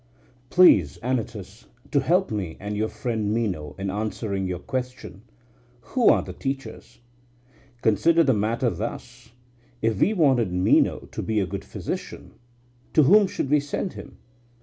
Please, Anytus, to help me and your friend Meno in answering our question, Who are the teachers? Consider the matter thus: If we wanted Meno to be a good physician, to whom should we send him?